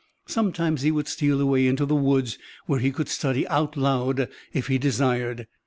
Sometimes he would steal away into the woods, where he could study "out loud" if he desired.